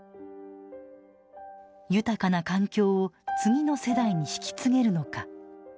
「豊かな環境を次の世代に引き継げるのか」。